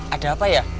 ada apa ya